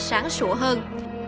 sáng sủa hơn